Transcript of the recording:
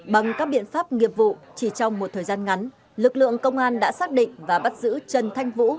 bằng các biện pháp nghiệp vụ chỉ trong một thời gian ngắn lực lượng công an đã xác định và bắt giữ trần thanh vũ